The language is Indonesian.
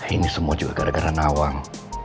ini semua juga gara gara nawang